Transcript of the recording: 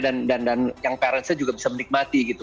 dan yang parentsnya juga bisa menikmati gitu